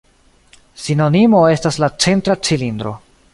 Sinonimo estas la „centra cilindro“.